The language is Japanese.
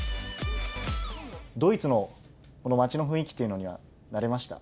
ドイツのこの街の雰囲気というのは慣れました？